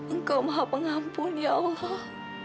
engkau maha pengampun ya allah